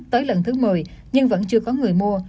tới lần thứ một mươi nhưng vẫn chưa có người mua